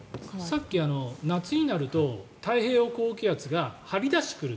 さっき、夏になると太平洋高気圧が張り出してくる。